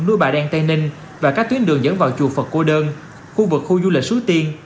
núi bà đen tây ninh và các tuyến đường dẫn vào chùa phật cô đơn khu vực khu du lịch suối tiên